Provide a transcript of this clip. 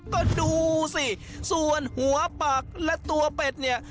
ก็ดูสิส่วนหัวปากและตัวเป็ดเนี่ย